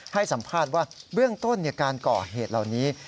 ให้สัมภาษณ์ว่าเบื้องต้นการก่อเหตุเหล่านี้